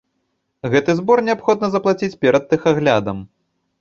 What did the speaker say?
Гэты збор неабходна заплаціць перад тэхаглядам.